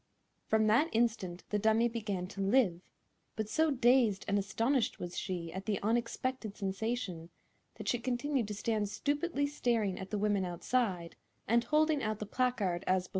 From that instant the dummy began to live, but so dazed and astonished was she at the unexpected sensation that she continued to stand stupidly staring at the women outside and holding out the placard as before.